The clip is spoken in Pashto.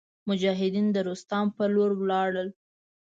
مجاهدین د روستام په لور ولاړل.